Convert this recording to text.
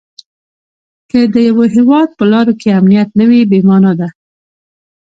که د یوه هیواد په لارو کې امنیت نه وي بې مانا ده.